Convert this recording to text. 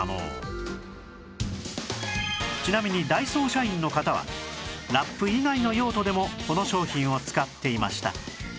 ちなみにダイソー社員の方はラップ以外の用途でもこの商品を使っていました